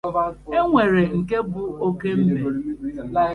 e nwere nke bụ oke mbe